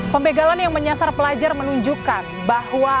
pembegalan yang menyasar pelajar menunjukkan bahwa